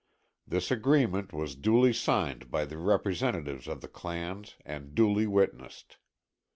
This agreement was duly signed by the representatives of the clans and duly witnessed.